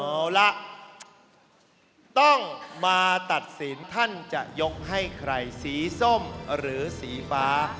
เอาละต้องมาตัดสินท่านจะยกให้ใครสีส้มหรือสีฟ้า